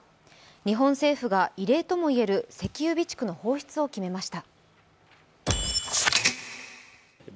日本政府が異例ともいえる石油備蓄の放出を決めました。